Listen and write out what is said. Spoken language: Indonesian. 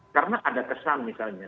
karena ada kesan misalnya